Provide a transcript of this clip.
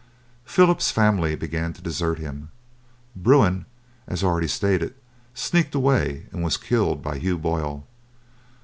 Philip's family began to desert him. Bruin, as already stated, sneaked away and was killed by Hugh Boyle.